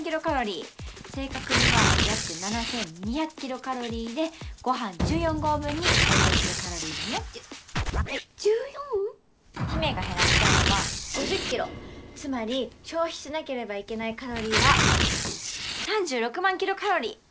正確には約７２００ｋｃａｌでご飯１４合分に相当するカロリーだねじゅ１４！？陽芽が減らしたいのは５０ｋｇつまり消費しなければいけないカロリーは３６万ｋｃａｌ